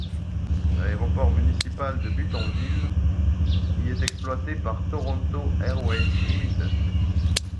L'aéroport municipal de Buttonville y est exploité par Toronto Airways Limited.